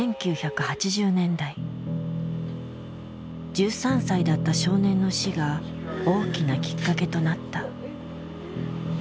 １３歳だった少年の死が大きなきっかけとなった。